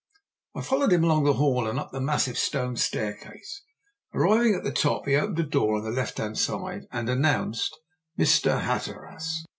I followed him along the hall and up the massive stone staircase. Arriving at the top he opened a door on the left hand side and announced "Mr. Hatteras."